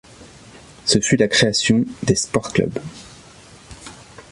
Ce fut la création des Sportclubs.